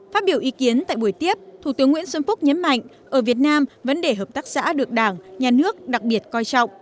phát biểu ý kiến tại buổi tiếp thủ tướng nguyễn xuân phúc nhấn mạnh ở việt nam vấn đề hợp tác xã được đảng nhà nước đặc biệt coi trọng